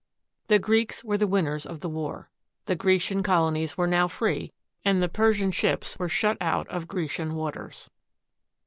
The Greeks were the winners of the war. The Grecian colonies were now free and the Persian ships were shut out of Grecian waters.